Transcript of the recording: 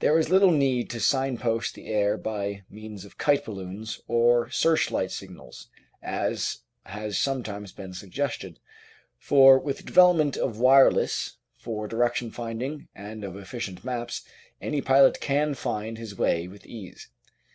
There is little need to signpost the air by means of kite balloons or searchlight signals, as has sometimes been suggested, for with the development of wireless for direction finding and of efficient maps, any pilot can find his way with ease.